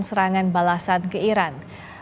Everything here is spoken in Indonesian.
serangan balasan ke iran